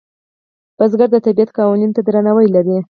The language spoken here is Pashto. کروندګر د طبیعت قوانینو ته درناوی لري